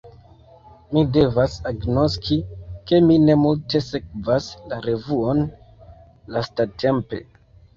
Mi devas agnoski, ke mi ne multe sekvas la revuon lastatempe.